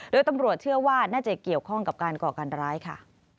โดยตำรวจเชื่อว่าน่าจะเกี่ยวข้องกับการก่อการร้ายค่ะ